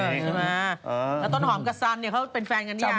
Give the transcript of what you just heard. แล้วต้นหอมกับสันเขาเป็นแฟนกันยัง